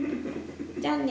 じゃあね。